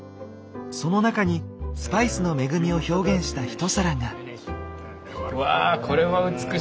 その中にスパイスの恵みを表現した一皿が？